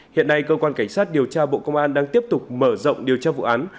hiện nay cơ quan cảnh sát điều tra bộ công an đang tiếp tục mở rộng điều tra vụ án